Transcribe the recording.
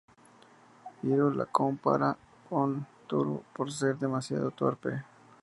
Hiro la compara con Tohru por ser demasiado torpe.